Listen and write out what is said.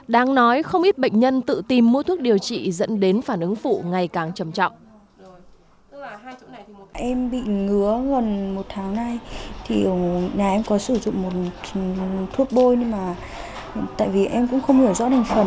đáng nói không ít bệnh nhân tự tìm mỗi thuốc điều trị dẫn đến phản ứng phụ ngày càng trầm trọng